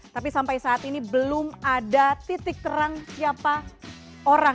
tapi sampai saat ini belum ada titik terang siapa orang